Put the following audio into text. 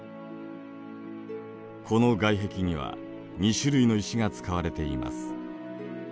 この外壁には２種類の石が使われています。